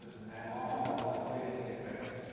もう今ずっとＮＨＫへ通ってます。